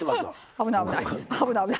危ない危ない。